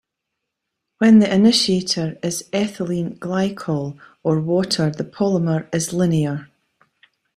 When the initiator is ethylene glycol or water the polymer is linear.